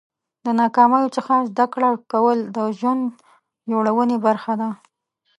د ناکامیو څخه زده کړه کول د ژوند جوړونې برخه ده.